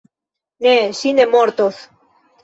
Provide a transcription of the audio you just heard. Ne, ŝi ne mortos